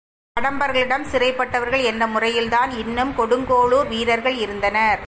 கடம்பர்களிடம் சிறைப்பட்டவர்கள் என்ற முறையில்தான் இன்னும் கொடுங்கோளூர் வீரர்கள் இருந்தனர்.